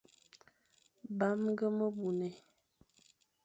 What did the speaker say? Bamge me buné,